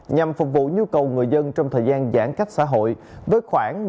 nhằm phục vụ nhu cầu người dân trong thời gian giãn cách xã hội